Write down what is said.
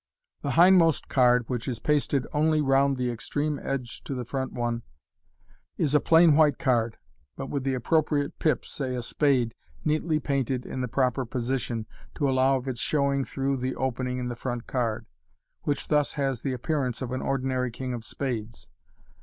The hindmost card, which is pasted only round the extreme edge to the front one, is a plain white card, but with the appropriate pip, say a spade, neatly painted in the proper position, to allow of its showing through the opening in the front card, which thus has the appearance of an ordinary king of spades.